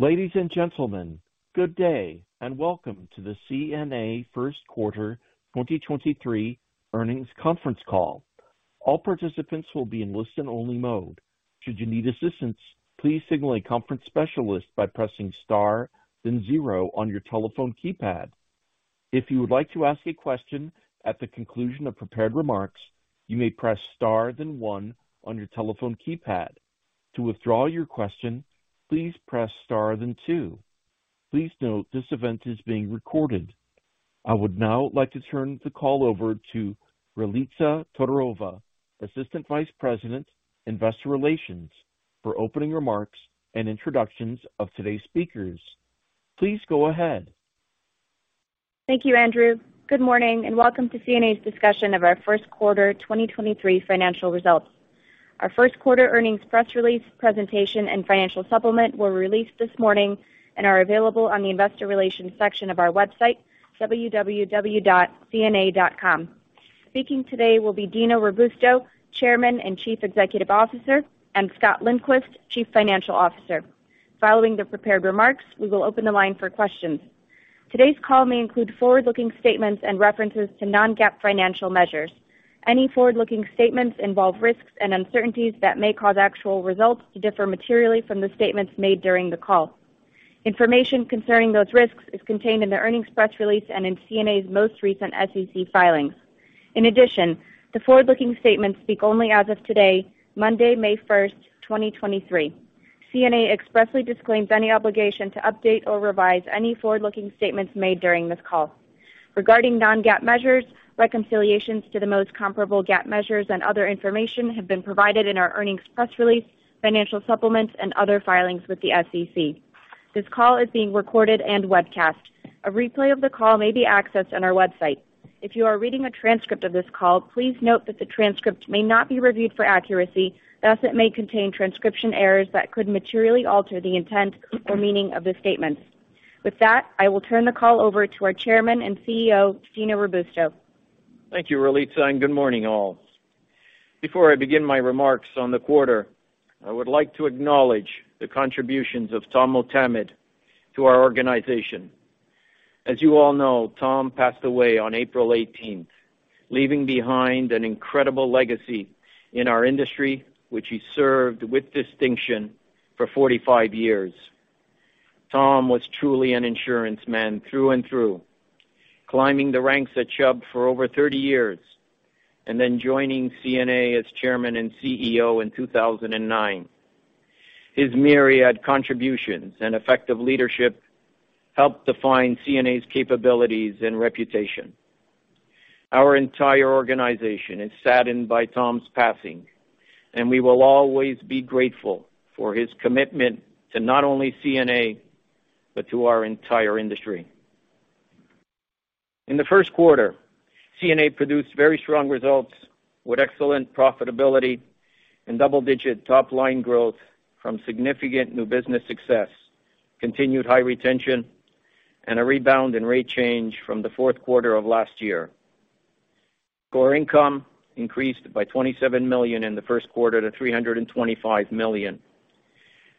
Ladies and gentlemen, good day, welcome to the CNA First Quarter 2023 Earnings Conference Call. All participants will be in listen-only mode. Should you need assistance, please signal a conference specialist by pressing star, then zero on your telephone keypad. If you would like to ask a question at the conclusion of prepared remarks, you may press star then one on your telephone keypad. To withdraw your question, please press star then two. Please note this event is being recorded. I would now like to turn the call over to Ralitza Todorova, Assistant Vice President, Investor Relations for opening remarks and introductions of today's speakers. Please go ahead. Thank you, Andrew. Good morning and welcome to CNA's discussion of our First Quarter 2023 Financial Results. Our first quarter earnings press release presentation and financial supplement were released this morning and are available on the investor relations section of our website, www.cna.com. Speaking today will be Dino Robusto, Chairman and Chief Executive Officer, Scott Lindquist, Chief Financial Officer. Following the prepared remarks, we will open the line for questions. Today's call may include forward-looking statements and references to non-GAAP financial measures. Any forward-looking statements involve risks and uncertainties that may cause actual results to differ materially from the statements made during the call. Information concerning those risks is contained in the earnings press release and in CNA's most recent SEC filings. In addition, the forward-looking statements speak only as of today, Monday, May 1st, 2023. CNA expressly disclaims any obligation to update or revise any forward-looking statements made during this call. Regarding non-GAAP measures, reconciliations to the most comparable GAAP measures and other information have been provided in our earnings press release, financial supplements, and other filings with the SEC. This call is being recorded and webcast. A replay of the call may be accessed on our website. If you are reading a transcript of this call, please note that the transcript may not be reviewed for accuracy, thus it may contain transcription errors that could materially alter the intent or meaning of the statements. With that, I will turn the call over to our Chairman and CEO, Dino Robusto. Thank you, Ralitza, and good morning, all. Before I begin my remarks on the quarter, I would like to acknowledge the contributions of Tom Motamed to our organization. As you all know, Tom passed away on April 18th, leaving behind an incredible legacy in our industry, which he served with distinction for 45 years. Tom was truly an insurance man through and through, climbing the ranks at Chubb for over 30 years and then joining CNA as Chairman and CEO in 2009. His myriad contributions and effective leadership helped define CNA's capabilities and reputation. Our entire organization is saddened by Tom's passing, and we will always be grateful for his commitment to not only CNA, but to our entire industry. In the first quarter, CNA produced very strong results with excellent profitability and double-digit top-line growth from significant new business success, continued high retention, and a rebound in rate change from the fourth quarter of last year. Core income increased by $27 million in the first quarter to $325 million.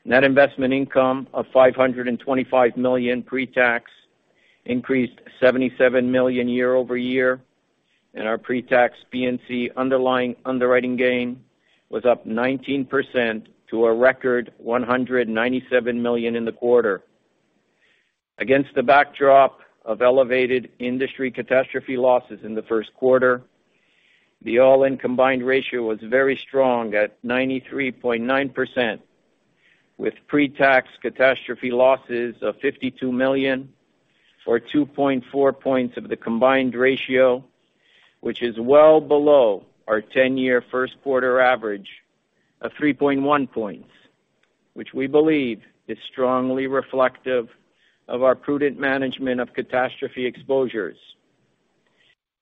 Net investment income of $525 million pre-tax increased $77 million year-over-year. Our pre-tax P&C underlying underwriting gain was up 19% to a record $197 million in the quarter. Against the backdrop of elevated industry catastrophe losses in the first quarter, the all-in combined ratio was very strong at 93.9%, with pre-tax catastrophe losses of $52 million or 2.4 points of the combined ratio, which is well below our 10-year first quarter average of 3.1 points, which we believe is strongly reflective of our prudent management of catastrophe exposures.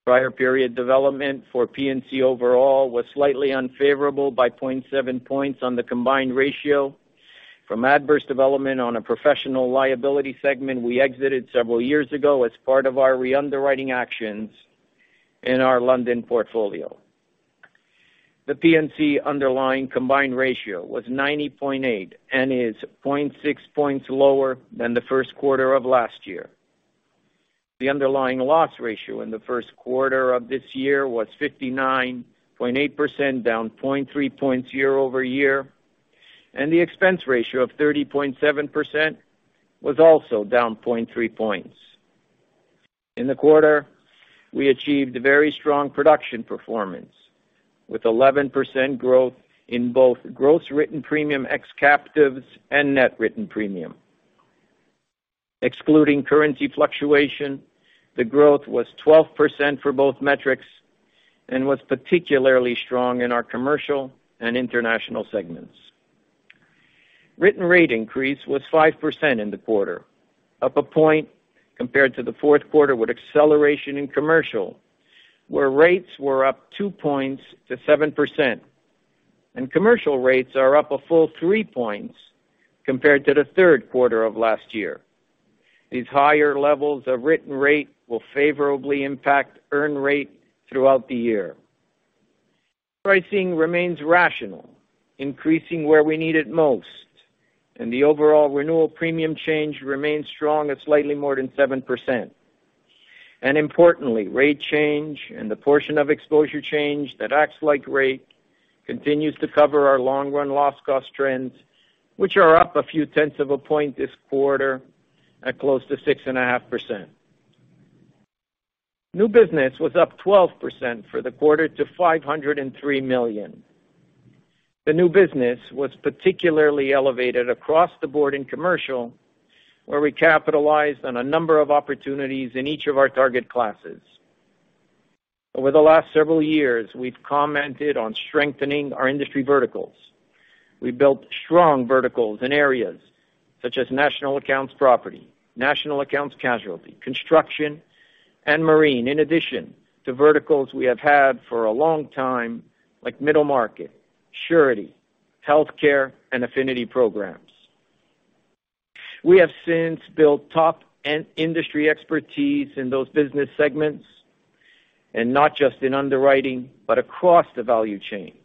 Prior period development for P&C overall was slightly unfavorable by 0.7 points on the combined ratio from adverse development on a professional liability segment we exited several years ago as part of our re-underwriting actions in our London portfolio. The P&C underlying combined ratio was 90.8 and is 0.6 points lower than the first quarter of last year. The underlying loss ratio in the first quarter of this year was 59.8%, down 0.3 points year-over-year, and the expense ratio of 30.7% was also down 0.3 points. In the quarter, we achieved very strong production performance with 11% growth in both gross written premium ex captives and net written premium. Excluding currency fluctuation, the growth was 12% for both metrics and was particularly strong in our commercial and international segments. Written rate increase was 5% in the quarter, up 1 point compared to the fourth quarter with acceleration in commercial, where rates were up 2 points to 7%. Commercial rates are up a full 3 points compared to the third quarter of last year. These higher levels of written rate will favorably impact earn rate throughout the year. Pricing remains rational, increasing where we need it most, the overall renewal premium change remains strong at slightly more than 7%. Importantly, rate change and the portion of exposure change that acts like rate continues to cover our long run loss cost trends, which are up a few tenths of a point this quarter at close to 6.5%. New business was up 12% for the quarter to $503 million. The new business was particularly elevated across the board in commercial, where we capitalized on a number of opportunities in each of our target classes. Over the last several years, we've commented on strengthening our industry verticals. We built strong verticals in areas such as national accounts property, national accounts casualty, construction, and marine, in addition to verticals we have had for a long time, like middle market, surety, healthcare, and affinity programs. We have since built top and industry expertise in those business segments, and not just in underwriting, but across the value chain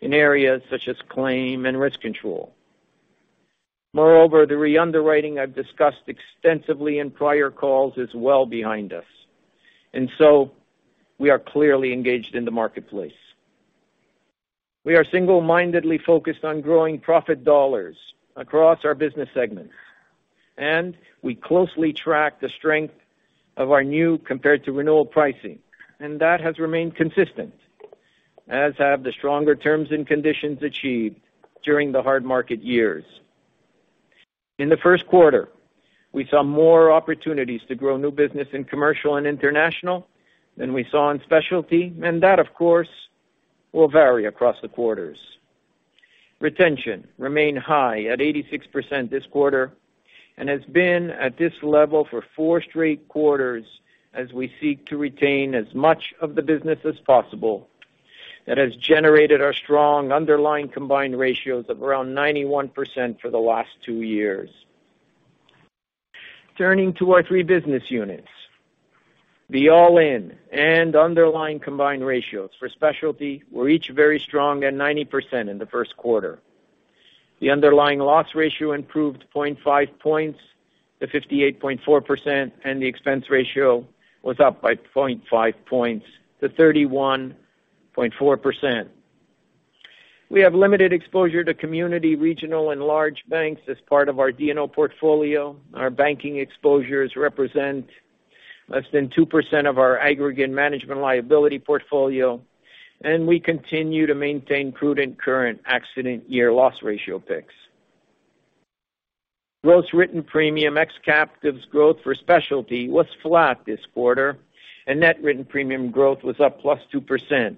in areas such as claim and risk control. Moreover, the re-underwriting I've discussed extensively in prior calls is well behind us, and so we are clearly engaged in the marketplace. We are single-mindedly focused on growing profit dollars across our business segments, and we closely track the strength of our new compared to renewal pricing. That has remained consistent, as have the stronger terms and conditions achieved during the hard market years. In the first quarter, we saw more opportunities to grow new business in commercial and international than we saw in specialty. That, of course, will vary across the quarters. Retention remained high at 86% this quarter and has been at this level for four straight quarters as we seek to retain as much of the business as possible that has generated our strong underlying combined ratios of around 91% for the last two years. Turning to our three business units. The all-in and underlying combined ratios for specialty were each very strong at 90% in the first quarter. The underlying loss ratio improved 0.5 points to 58.4%. The expense ratio was up by 0.5 points to 31.4%. We have limited exposure to community, regional and large banks as part of our D&O portfolio. Our banking exposures represent less than 2% of our aggregate management liability portfolio, and we continue to maintain prudent current accident year loss ratio picks. Gross written premium ex captives growth for specialty was flat this quarter, and net written premium growth was up +2%.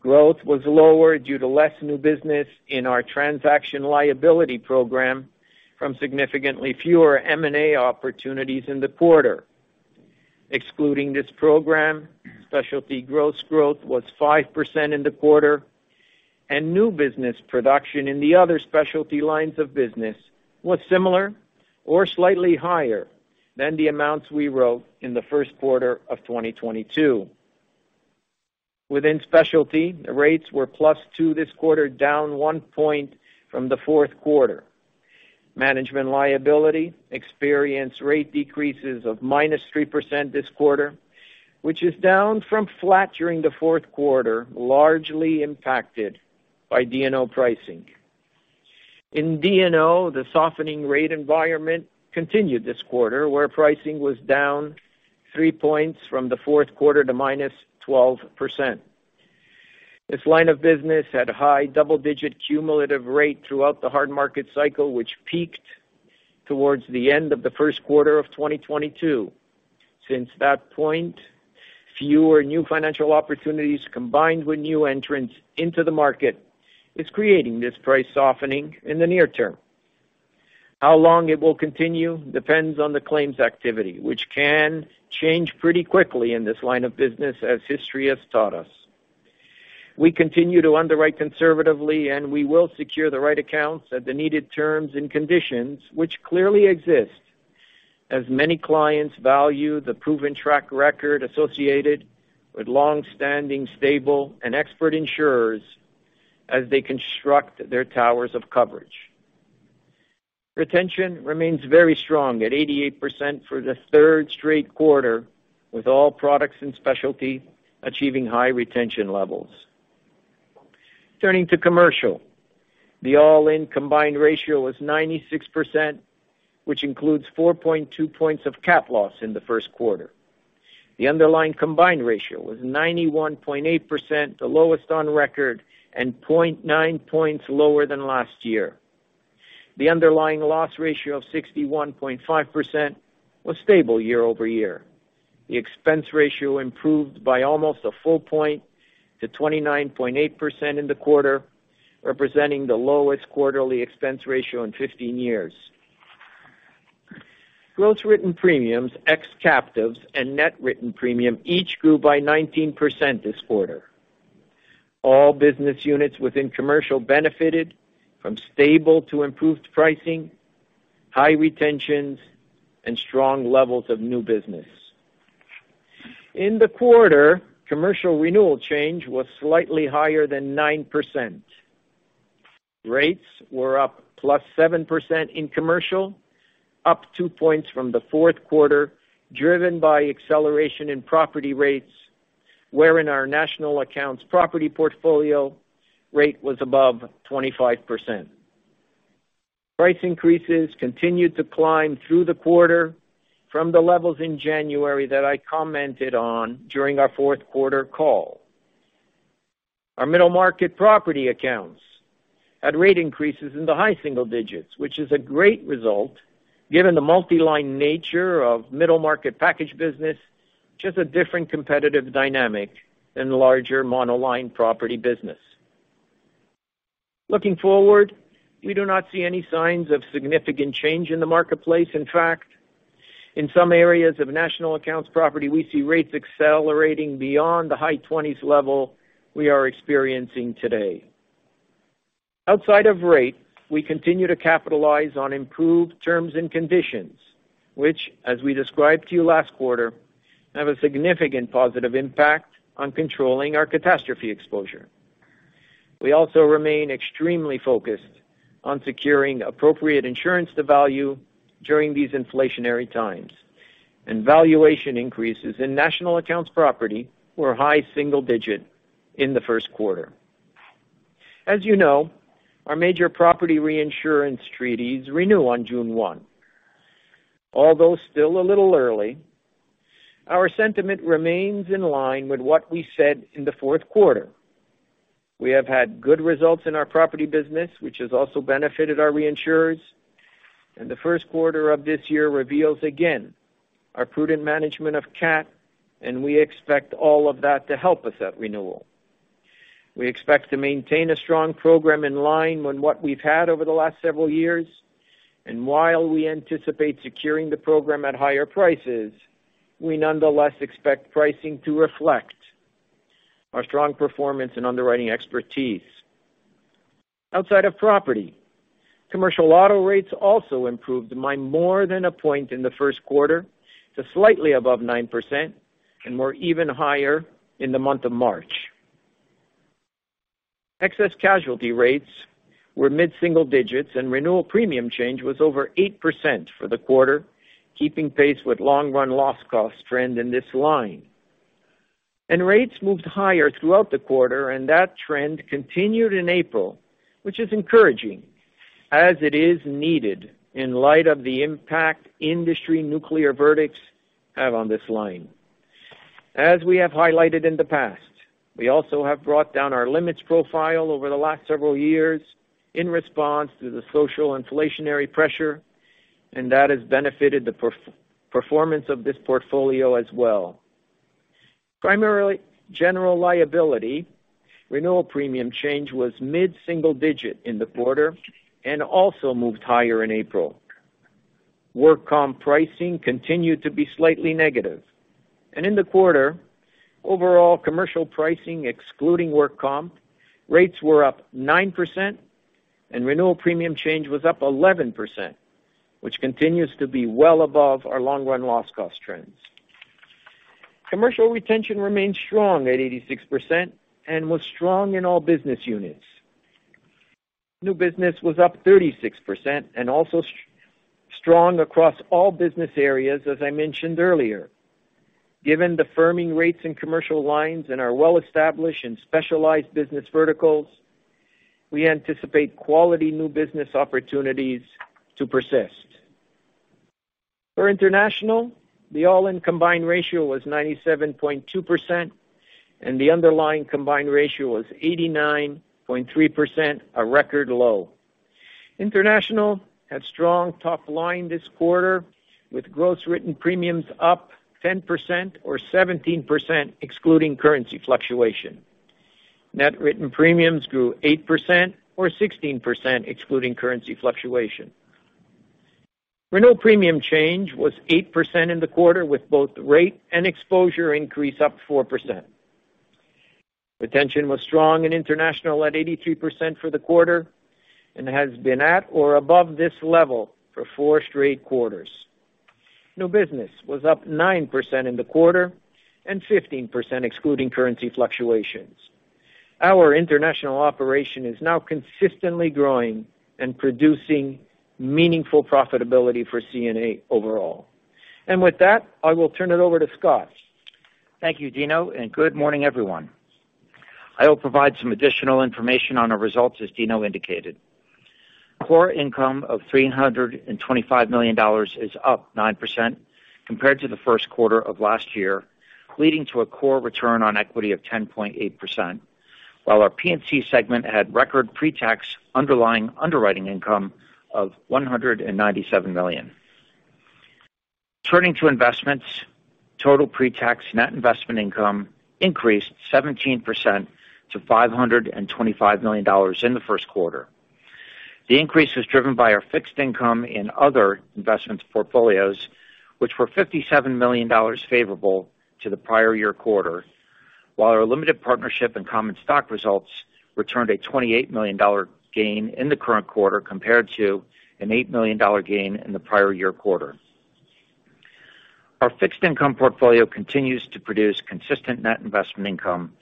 Growth was lower due to less new business in our transaction liability program from significantly fewer M&A opportunities in the quarter. Excluding this program, specialty gross growth was 5% in the quarter, and new business production in the other specialty lines of business was similar or slightly higher than the amounts we wrote in the first quarter of 2022. Within specialty, the rates were +2 this quarter, down 1 point from the fourth quarter. Management liability experienced rate decreases of -3% this quarter, which is down from flat during the fourth quarter, largely impacted by D&O pricing. In D&O, the softening rate environment continued this quarter, where pricing was down 3 points from the fourth quarter to -12%. This line of business had high double-digit cumulative rate throughout the hard market cycle, which peaked towards the end of the first quarter of 2022. Since that point, fewer new financial opportunities combined with new entrants into the market is creating this price softening in the near term. How long it will continue depends on the claims activity, which can change pretty quickly in this line of business, as history has taught us. We continue to underwrite conservatively, and we will secure the right accounts at the needed terms and conditions which clearly exist as many clients value the proven track record associated with long-standing, stable and expert insurers as they construct their towers of coverage. Retention remains very strong at 88% for the third straight quarter, with all products and specialty achieving high retention levels. Turning to commercial. The all-in combined ratio was 96%, which includes 4.2 points of cat loss in the first quarter. The underlying combined ratio was 91.8%, the lowest on record, and 0.9 points lower than last year. The underlying loss ratio of 61.5% was stable year-over-year. The expense ratio improved by almost a full point to 29.8% in the quarter, representing the lowest quarterly expense ratio in 15 years. Gross written premiums, ex-captives, and net written premium each grew by 19% this quarter. All business units within commercial benefited from stable to improved pricing High retentions and strong levels of new business. In the quarter, commercial renewal change was slightly higher than 9%. Rates were up +7% in commercial, up 2 points from the fourth quarter, driven by acceleration in property rates, wherein our national accounts property portfolio rate was above 25%. Price increases continued to climb through the quarter from the levels in January that I commented on during our fourth quarter call. Our middle market property accounts had rate increases in the high single digits, which is a great result given the multi-line nature of middle market package business, which is a different competitive dynamic than larger monoline property business. Looking forward, we do not see any signs of significant change in the marketplace. In fact, in some areas of national accounts property, we see rates accelerating beyond the high 20s level we are experiencing today. Outside of rate, we continue to capitalize on improved terms and conditions, which as we described to you last quarter, have a significant positive impact on controlling our catastrophe exposure. We also remain extremely focused on securing appropriate insurance to value during these inflationary times, and valuation increases in National Accounts Property were high single-digit in the first quarter. As you know, our major property reinsurance treaties renew on June 1. Although still a little early, our sentiment remains in line with what we said in the fourth quarter. We have had good results in our property business, which has also benefited our reinsurers, and the first quarter of this year reveals again our prudent management of cat, and we expect all of that to help us at renewal. We expect to maintain a strong program in line with what we've had over the last several years. While we anticipate securing the program at higher prices, we nonetheless expect pricing to reflect our strong performance and underwriting expertise. Outside of property, commercial auto rates also improved by more than 1 point in the first quarter to slightly above 9%, and were even higher in the month of March. Excess casualty rates were mid-single digits, and renewal premium change was over 8% for the quarter, keeping pace with long run loss cost trend in this line. Rates moved higher throughout the quarter, and that trend continued in April, which is encouraging as it is needed in light of the impact industry nuclear verdicts have on this line. As we have highlighted in the past, we also have brought down our limits profile over the last several years in response to the social inflationary pressure, and that has benefited the performance of this portfolio as well. Primarily, general liability renewal premium change was mid-single digits in the quarter and also moved higher in April. Work comp pricing continued to be slightly negative. In the quarter, overall commercial pricing, excluding work comp, rates were up 9% and renewal premium change was up 11%, which continues to be well above our long run loss cost trends. Commercial retention remains strong at 86% and was strong in all business units. New business was up 36% and also strong across all business areas, as I mentioned earlier. Given the firming rates in commercial lines and our well-established and specialized business verticals, we anticipate quality new business opportunities to persist. For international, the all-in combined ratio was 97.2%, and the underlying combined ratio was 89.3%, a record low. International had strong top-line this quarter, with gross written premiums up 10% or 17% excluding currency fluctuation. Net written premiums grew 8% or 16% excluding currency fluctuation. Renewal premium change was 8% in the quarter, with both rate and exposure increase up 4%. Retention was strong in international at 83% for the quarter and has been at or above this level for four straight quarters. New business was up 9% in the quarter and 15% excluding currency fluctuations. Our international operation is now consistently growing and producing meaningful profitability for CNA overall. With that, I will turn it over to Scott. Thank you, Dino. Good morning, everyone. I will provide some additional information on our results, as Dino indicated. Core income of $325 million is up 9% compared to the first quarter of last year, leading to a core return on equity of 10.8%, while our P&C segment had record pre-tax underlying underwriting income of $197 million. Turning to investments, total pre-tax net investment income increased 17% to $525 million in the first quarter. The increase was driven by our fixed income and other investments portfolios, which were $57 million favorable to the prior year quarter. Our limited partnership and common stock results returned a $28 million gain in the current quarter compared to an $8 million gain in the prior year quarter. Our fixed income portfolio continues to produce consistent net investment income,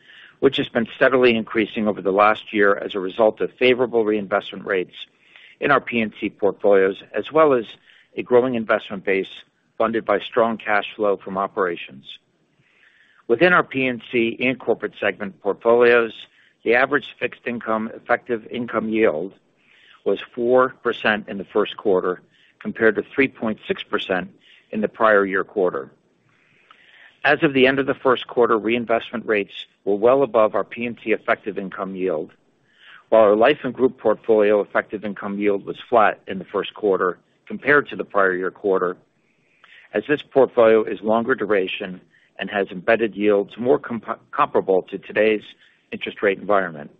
which has been steadily increasing over the last year as a result of favorable reinvestment rates in our P&C portfolios, as well as a growing investment base funded by strong cash flow from operations. Within our P&C and corporate segment portfolios, the average fixed income effective income yield was 4% in the first quarter, compared to 3.6% in the prior year quarter. As of the end of the first quarter, reinvestment rates were well above our P&C effective income yield, while our Life & Group portfolio effective income yield was flat in the first quarter compared to the prior year quarter, as this portfolio is longer duration and has embedded yields more comparable to today's interest rate environment.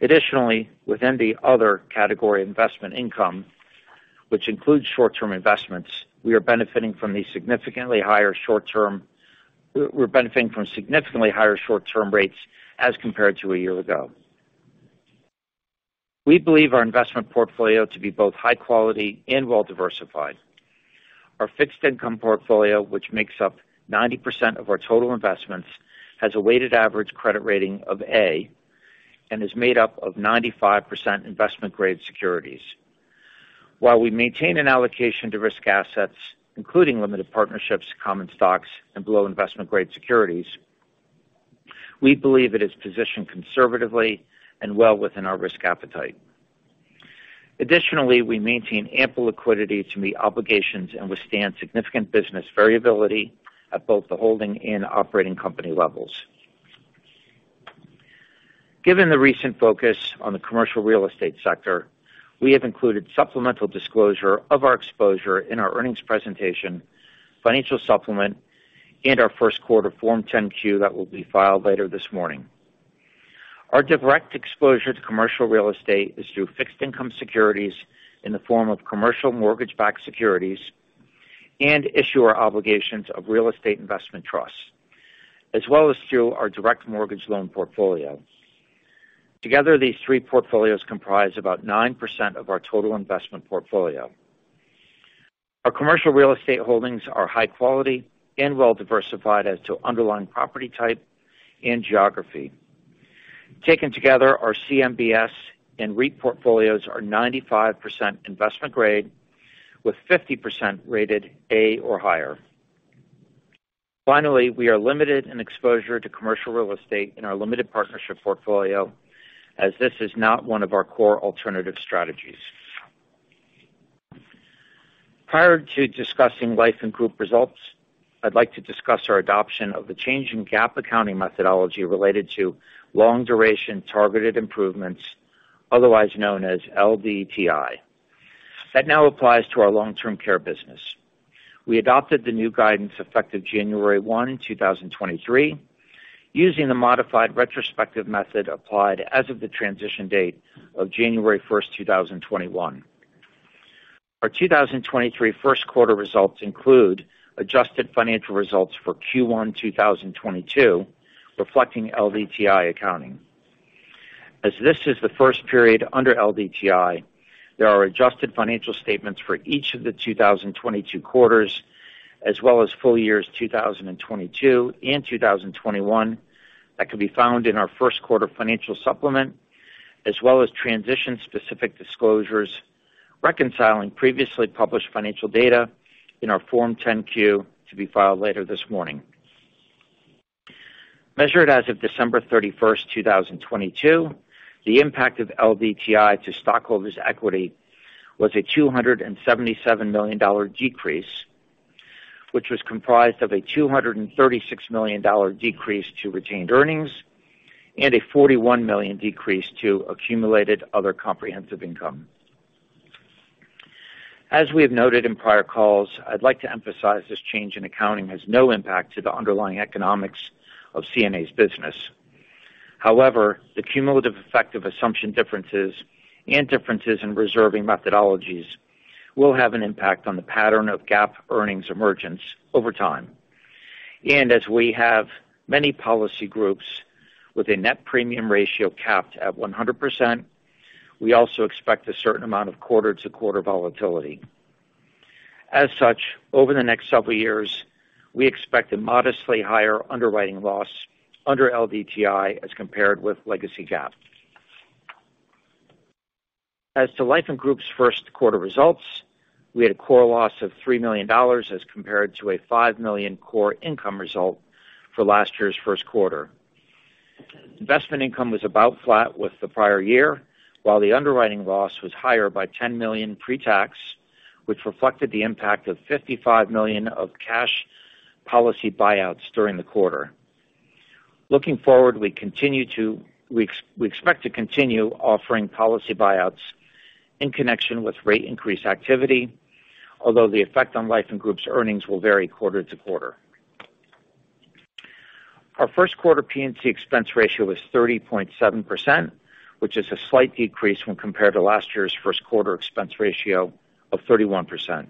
Within the other category investment income, which includes short-term investments, we are benefiting from significantly higher short-term rates as compared to a year ago. We believe our investment portfolio to be both high quality and well-diversified. Our fixed income portfolio, which makes up 90% of our total investments, has a weighted average credit rating of A and is made up of 95% investment grade securities. While we maintain an allocation to risk assets, including limited partnerships, common stocks, and below investment grade securities, we believe it is positioned conservatively and well within our risk appetite. We maintain ample liquidity to meet obligations and withstand significant business variability at both the holding and operating company levels. Given the recent focus on the commercial real estate sector, we have included supplemental disclosure of our exposure in our earnings presentation, financial supplement, and our first quarter Form 10-Q that will be filed later this morning. Our direct exposure to commercial real estate is through fixed income securities in the form of commercial mortgage-backed securities and issuer obligations of real estate investment trusts, as well as through our direct mortgage loan portfolio. Together, these three portfolios comprise about 9% of our total investment portfolio. Our commercial real estate holdings are high quality and well diversified as to underlying property type and geography. Taken together, our CMBS and REIT portfolios are 95% investment grade, with 50% rated A or higher. Finally, we are limited in exposure to commercial real estate in our limited partnership portfolio as this is not one of our core alternative strategies. Prior to discussing Life & Group results, I'd like to discuss our adoption of the change in GAAP accounting methodology related to Long-Duration Targeted Improvements, otherwise known as LDTI. That now applies to our long-term care business. We adopted the new guidance effective January 1, 2023, using the modified retrospective method applied as of the transition date of January 1, 2021. Our 2023 first quarter results include adjusted financial results for Q1 2022, reflecting LDTI accounting. As this is the first period under LDTI, there are adjusted financial statements for each of the 2022 quarters as well as full years 2022 and 2021 that can be found in our first quarter financial supplement, as well as transition-specific disclosures reconciling previously published financial data in our Form 10-Q to be filed later this morning. Measured as of December 31st, 2022, the impact of LDTI to stockholders' equity was a $277 million decrease, which was comprised of a $236 million decrease to retained earnings and a $41 million decrease to accumulated other comprehensive income. As we have noted in prior calls, I'd like to emphasize this change in accounting has no impact to the underlying economics of CNA's business. The cumulative effect of assumption differences and differences in reserving methodologies will have an impact on the pattern of GAAP earnings emergence over time. As we have many policy groups with a net premium ratio capped at 100%, we also expect a certain amount of quarter-to-quarter volatility. As such, over the next several years, we expect a modestly higher underwriting loss under LDTI as compared with legacy GAAP. As to Life & Group's first quarter results, we had a core loss of $3 million as compared to a $5 million core income result for last year's first quarter. Investment income was about flat with the prior year, while the underwriting loss was higher by $10 million pre-tax, which reflected the impact of $55 million of cash policy buyouts during the quarter. Looking forward, we expect to continue offering policy buyouts in connection with rate increase activity. Although the effect on Life & Group's earnings will vary quarter to quarter. Our first quarter P&C expense ratio was 30.7%, which is a slight decrease when compared to last year's first quarter expense ratio of 31%.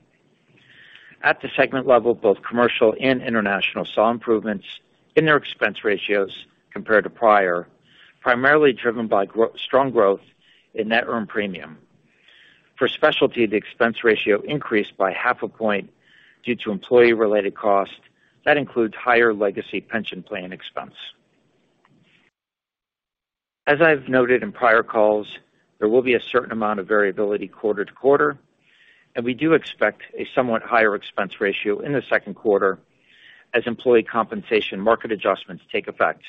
At the segment level, both commercial and international saw improvements in their expense ratios compared to prior, primarily driven by strong growth in net earned premium. For specialty, the expense ratio increased by half a point due to employee-related costs that include higher legacy pension plan expense. As I've noted in prior calls, there will be a certain amount of variability quarter to quarter, and we do expect a somewhat higher expense ratio in the second quarter as employee compensation market adjustments take effect.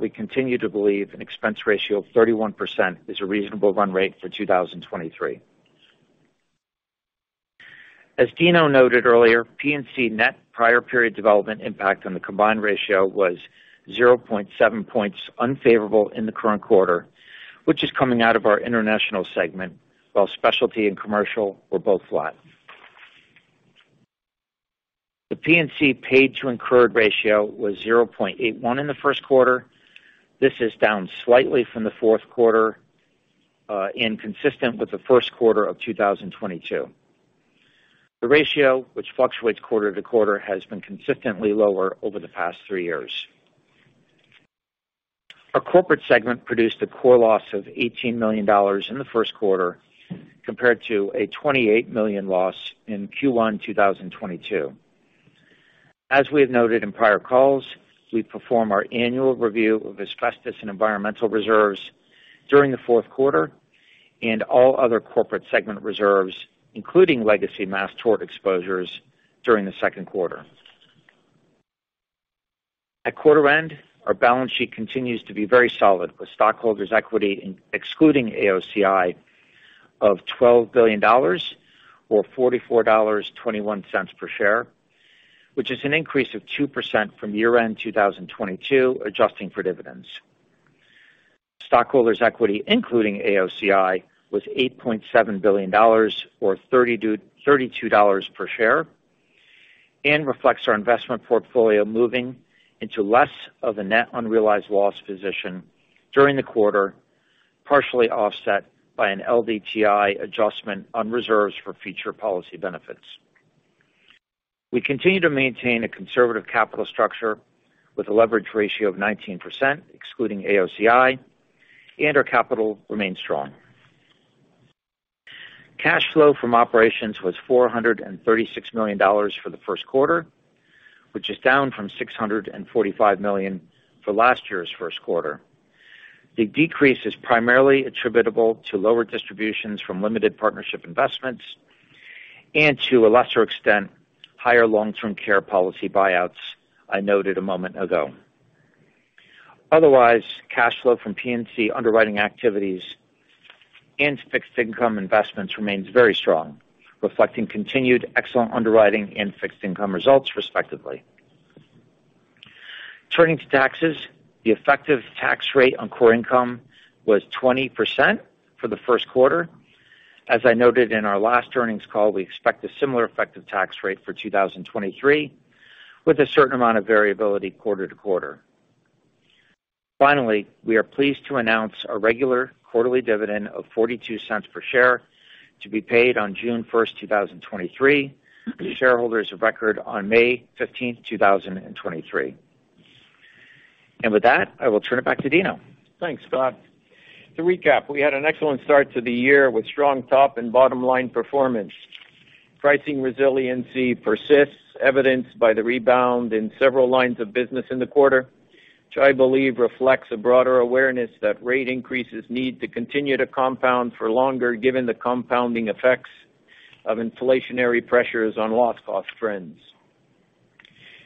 We continue to believe an expense ratio of 31% is a reasonable run rate for 2023. As Dino noted earlier, P&C net prior period development impact on the combined ratio was 0.7 points unfavorable in the current quarter, which is coming out of our international segment, while specialty and commercial were both flat. The P&C paid to incurred ratio was 0.81 in the first quarter. This is down slightly from the fourth quarter and consistent with the first quarter of 2022. The ratio, which fluctuates quarter to quarter, has been consistently lower over the past three years. Our corporate segment produced a core loss of $18 million in the first quarter compared to a $28 million loss in Q1 2022. As we have noted in prior calls, we perform our annual review of asbestos and environmental reserves during the fourth quarter and all other corporate segment reserves, including legacy mass tort exposures, during the second quarter. At quarter end, our balance sheet continues to be very solid, with stockholders' equity excluding AOCI, of $12 billion or $44.21 per share, which is an increase of 2% from year-end 2022, adjusting for dividends. Stockholders' equity, including AOCI, was $8.7 billion or $32 per share and reflects our investment portfolio moving into less of a net unrealized loss position during the quarter, partially offset by an LDTI adjustment on reserves for future policy benefits. We continue to maintain a conservative capital structure with a leverage ratio of 19%, excluding AOCI. Our capital remains strong. Cash flow from operations was $436 million for the first quarter, which is down from $645 million for last year's first quarter. The decrease is primarily attributable to lower distributions from limited partnership investments and to a lesser extent, higher long-term care policy buyouts I noted a moment ago. Cash flow from P&C underwriting activities and fixed income investments remains very strong, reflecting continued excellent underwriting and fixed income results, respectively. Turning to taxes, the effective tax rate on core income was 20% for the first quarter. As I noted in our last earnings call, we expect a similar effective tax rate for 2023, with a certain amount of variability quarter-to-quarter. Finally, we are pleased to announce a regular quarterly dividend of $0.42 per share to be paid on June 1st, 2023 to shareholders of record on May 15th, 2023. With that, I will turn it back to Dino. Thanks, Scott. To recap, we had an excellent start to the year with strong top and bottom line performance. Pricing resiliency persists, evidenced by the rebound in several lines of business in the quarter, which I believe reflects a broader awareness that rate increases need to continue to compound for longer, given the compounding effects of inflationary pressures on loss cost trends.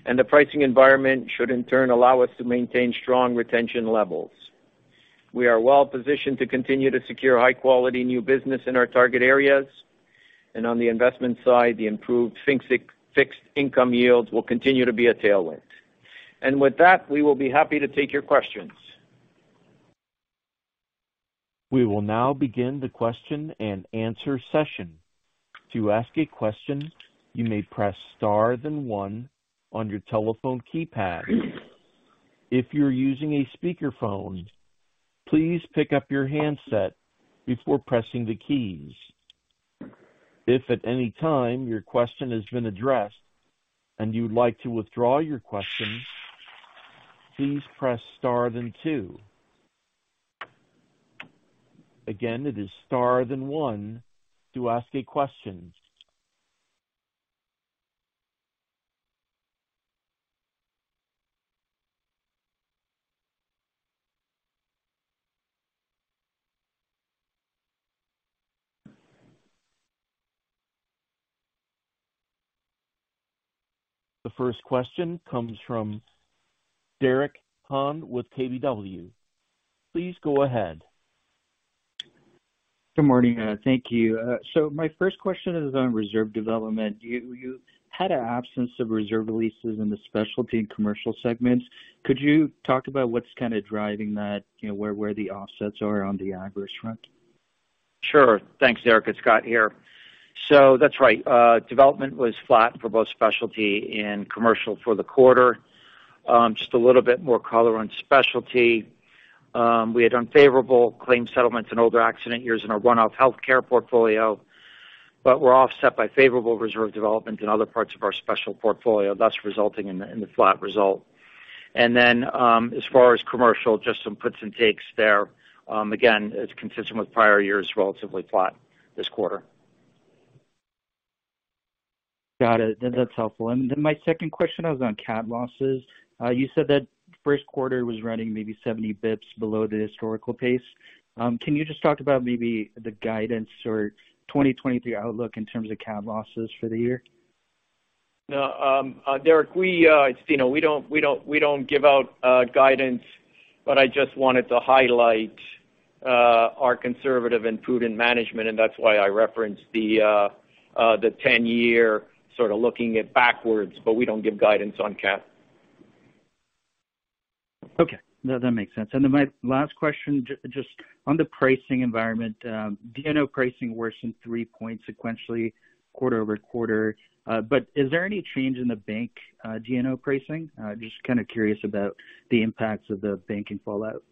The pricing environment should in turn allow us to maintain strong retention levels. We are well positioned to continue to secure high quality new business in our target areas. On the investment side, the improved fixed income yields will continue to be a tailwind. With that, we will be happy to take your questions. We will now begin the question-and-answer session. To ask a question, you may press star then one on your telephone keypad. If you're using a speakerphone, please pick up your handset before pressing the keys. If at any time your question has been addressed and you would like to withdraw your question, please press star then two. Again, it is star then one to ask a question. The first question comes from Meyer Shields with KBW. Please go ahead. Good morning. Thank you. My first question is on reserve development. You had an absence of reserve releases in the specialty and commercial segments. Could you talk about what's kind of driving that? You know, where the offsets are on the adverse front? Sure. Thanks, Meyer. It's Scott here. That's right. development was flat for both specialty and commercial for the quarter. just a little bit more color on specialty. We had unfavorable claim settlements in older accident years in our run-off healthcare portfolio, but were offset by favorable reserve development in other parts of our special portfolio, thus resulting in the flat result. As far as commercial, just some puts and takes there. Again, it's consistent with prior years, relatively flat this quarter. Got it. That's helpful. My second question was on cat losses. You said that first quarter was running maybe 70 basis points below the historical pace. Can you just talk about maybe the guidance or 2023 outlook in terms of cat losses for the year? No. Derek, we, you know, we don't give out guidance, but I just wanted to highlight our conservative and prudent management, and that's why I referenced the 10-year sort of looking it backwards, but we don't give guidance on cat. Okay. No, that makes sense. My last question, just on the pricing environment. RPC pricing worsened 3 points sequentially quarter-over-quarter. Is there any change in the bank RPC pricing? Just kind of curious about the impacts of the banking fallout.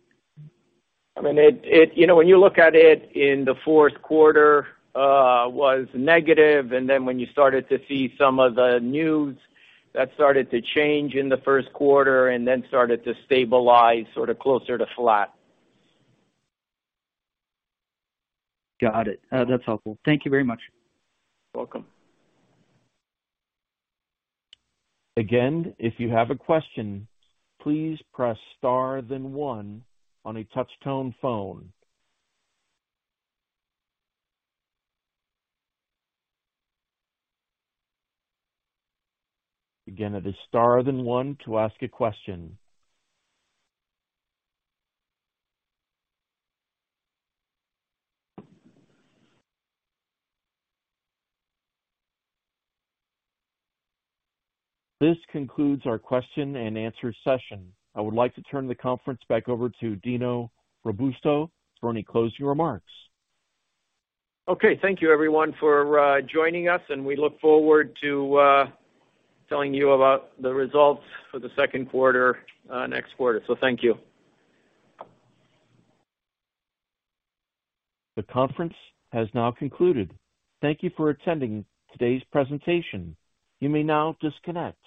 I mean, you know, when you look at it in the fourth quarter, was negative, and then when you started to see some of the news, that started to change in the first quarter and then started to stabilize sort of closer to flat. Got it. That's helpful. Thank you very much. Welcome. Again, if you have a question, please press star then one on a touch tone phone. Again, it is star then one to ask a question. This concludes our question and answer session. I would like to turn the conference back over to Dino Robusto for any closing remarks. Okay. Thank you everyone for joining us. We look forward to telling you about the results for the second quarter next quarter. Thank you. The conference has now concluded. Thank you for attending today's presentation. You may now disconnect.